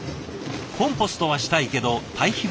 コンポストはしたいけど堆肥は使わない。